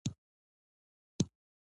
روباټونه به کار پرمخ یوسي.